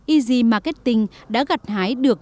easy marketing đã gặt hái được